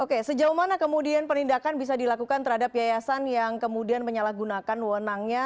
oke sejauh mana kemudian penindakan bisa dilakukan terhadap yayasan yang kemudian menyalahgunakan wonangnya